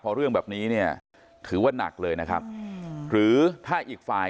พอเรื่องแบบนี้เนี่ยถือว่านักเลยนะครับหรือถ้าอีกฝ่าย